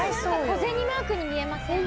小銭マークに見えません？